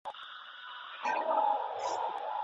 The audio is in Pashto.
شيطان وايي، ما خاوند او ميرمن په شخړه اخته کړل.